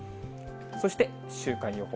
そして週間予報。